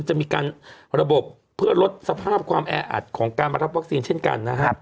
จะมีการระบบเพื่อลดสภาพความแออัดของการมารับวัคซีนเช่นกันนะฮะ